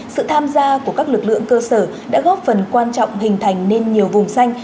sự tham gia của các lực lượng cơ sở đã góp phần quan trọng hình thành nên nhiều vùng xanh